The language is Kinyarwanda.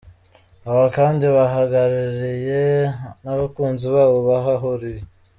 Aha kandi bahaganiririye n'abakunzi babo bahahuriye.